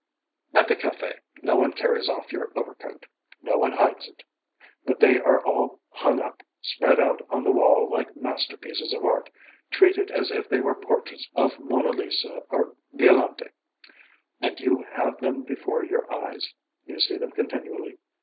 At the café no one carries off your overcoat, no one hides it; but they are all hung up, spread out on the wall like masterpieces of art, treated as if they were portraits of Mona Lisa or Violante, and you have them before your eyes, you see them continually.